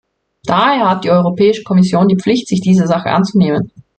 Daher hat die Europäische Kommission die Pflicht, sich dieser Sache anzunehmen.